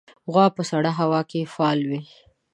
غوا په سړه هوا کې فعال وي.